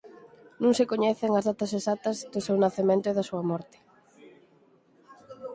Non se coñecen as datas exactas do seu nacemento e da súa morte.